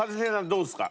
どうですか？